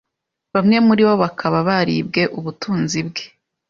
bamwe muri bo bakaba baribwe ubutunzi bwe